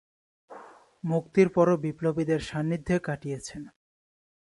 মুক্তির পরেও বিপ্লবীদের সান্নিধ্যে কাটিয়েছেন।